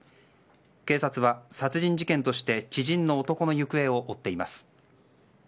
警察は殺人事件として知人の男の行方を追っています。